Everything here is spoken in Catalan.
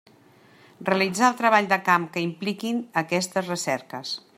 Realitzar el treball de camp que impliquin aquestes recerques.